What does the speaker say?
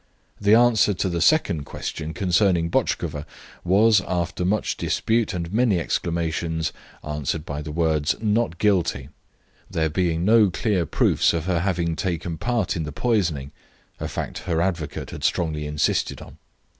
The answer to the second question concerning Botchkova was, after much dispute and many exclamations, answered by the words, "Not guilty," there being no clear proofs of her having taken part in the poisoning a fact her advocate had strongly insisted on.